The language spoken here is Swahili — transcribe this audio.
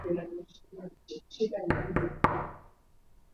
Wanyama wanaoathirika na ugonjwa huu mimba hutoka